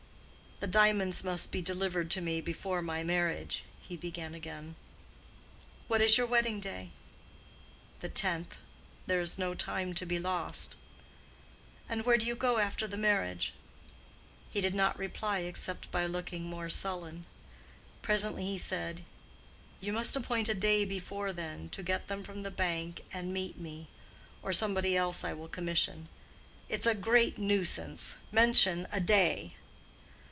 "The diamonds must be delivered to me before my marriage," he began again. "What is your wedding day?" "The tenth. There is no time to be lost." "And where do you go after the marriage?" He did not reply except by looking more sullen. Presently he said, "You must appoint a day before then, to get them from the bank and meet me—or somebody else I will commission;—it's a great nuisance. Mention a day."